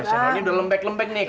hai pak sampi